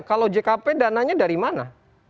kalau jkp dananya dari mana